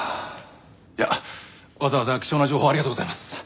いやわざわざ貴重な情報ありがとうございます。